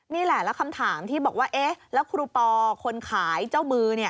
นี่แหละแล้วคำถามที่บอกว่าคุณปคนขายเจ้ามือ